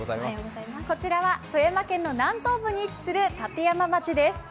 こちらは富山県の南東部に位置する立山町です。